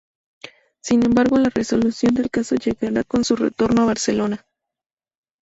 Sin embargo la resolución del caso llegará con su retorno a Barcelona.